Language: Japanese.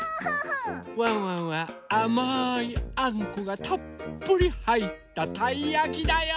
ワンワンはあまいあんこがたっぷりはいったたいやきだよ！